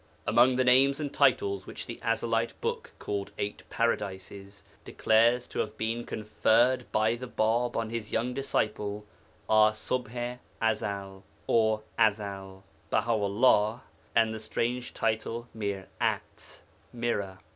Among the names and titles which the Ezelite book called Eight Paradises declares to have been conferred by the Bāb on his young disciple are Ṣubḥ i Ezel (or Azal), Baha 'ullah, and the strange title Mir'at (Mirror).